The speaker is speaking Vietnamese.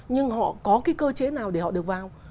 nhưng họ có cái cơ chế nào để họ được vào